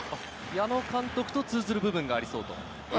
矢野監督と通ずる部分がありそうと。